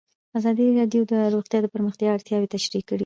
ازادي راډیو د روغتیا د پراختیا اړتیاوې تشریح کړي.